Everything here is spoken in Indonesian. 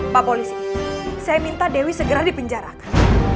pak polisi saya minta dewi segera dipenjarakan